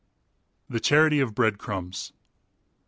THE CHARITY OF BREAD CRUMBS.